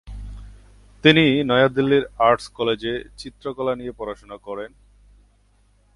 তিনি নয়াদিল্লির আর্টস কলেজে চিত্রকলা নিয়ে পড়াশোনা করেন।